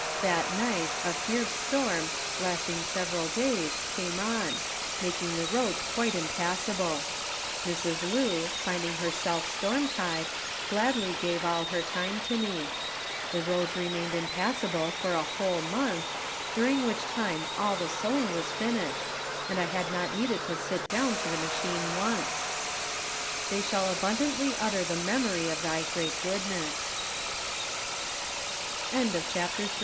That night a fierce storm, lasting several days, came on, making the roads quite impassable. Mrs. Lu, finding herself storm tied, gladly gave all her time to me. The roads remained impassable for a whole month, during which time all the sewing was finished and I had not needed to sit down to the machine once! "They shall abundantly utter the memory of Thy great Goodness." *SKETCH IV* *Opening a New Station* Part 1—THE MISSIONARY'S HOME.